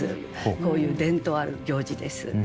こういう伝統ある行事です。